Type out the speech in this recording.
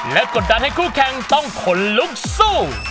และกดดันให้คู่แข่งต้องขนลุกสู้